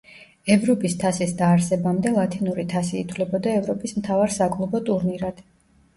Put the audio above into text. ევროპის თასის დაარსებამდე ლათინური თასი ითვლებოდა ევროპის მთავარ საკლუბო ტურნირად.